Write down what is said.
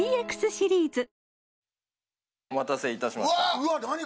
お待たせいたしました。